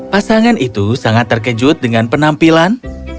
pasangan itu sangat terkejut dengan penampilan